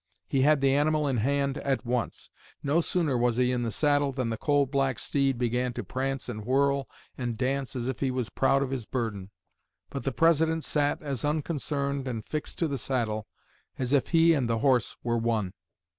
He had the animal in hand at once. No sooner was he in the saddle than the coal black steed began to prance and whirl and dance as if he was proud of his burden. But the President sat as unconcerned and fixed to the saddle as if he and the horse were one.